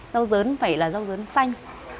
rau dấn phải là rau dấn xanh